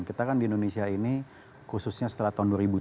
kita kan di indonesia ini khususnya setelah tahun dua ribu tujuh belas